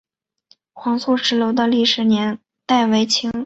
黄素石楼的历史年代为清。